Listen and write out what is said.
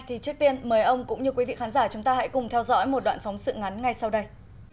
thì trước tiên mời ông cũng như quý vị khán giả chúng ta hãy cùng theo dõi một đoạn phóng sự ngắn ngay sau đây